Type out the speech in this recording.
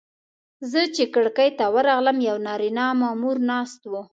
زه چې کړکۍ ته ورغلم یو نارینه مامور ناست و.